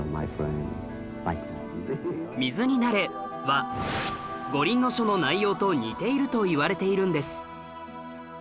「水になれ」は『五輪書』の内容と似ているといわれているんです